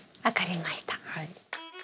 分かりました。